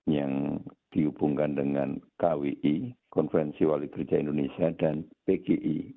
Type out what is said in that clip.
yang dihubungkan dengan kwi konferensi wali gereja indonesia dan pgi